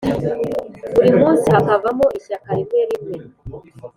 buri munsi hakavamo ishaka rimwe rimwe,